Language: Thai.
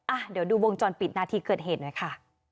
อ่ะเดี๋ยวดูวงจรปิดนาทีเกิดเหตุหน่อยค่ะ